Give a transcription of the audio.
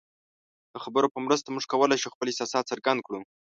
د خبرو په مرسته موږ کولی شو خپل احساسات څرګند کړو.